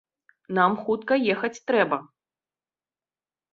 Нам хутка ехаць трэба.